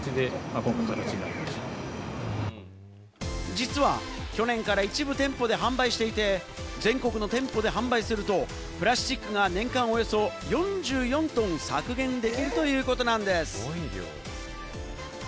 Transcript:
実は去年から一部店舗で販売していて、全国の店舗で販売するとプラスチックが年間およそ４４トン削減できるということなんです。